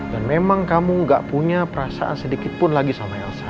dan memang kamu gak punya perasaan sedikitpun lagi sama elsa